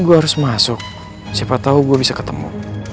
gue harus masuk siapa tahu gue bisa ketemu